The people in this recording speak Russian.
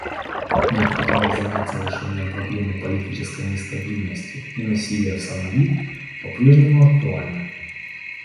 Необходимость заняться решением проблемы политической нестабильности и насилия в Сомали по-прежнему актуальна.